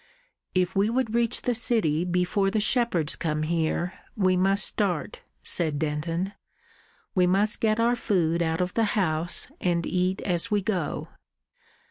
"If we would reach the city before the shepherds come here, we must start," said Denton. "We must get our food out of the house and eat as we go."